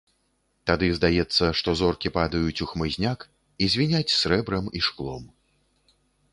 Тады здаецца, што зоркі падаюць у хмызняк і звіняць срэбрам і шклом.